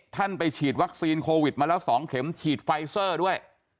ท่านไปฉีดวัคซีนโควิดมาแล้ว๒เข็มฉีดไฟเซอร์ด้วย